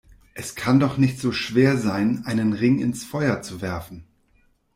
Es kann doch nicht so schwer sein, einen Ring ins Feuer zu werfen!